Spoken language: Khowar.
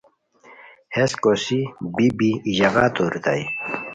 ہیس کوسی بی بی ای ژاغا توریتائے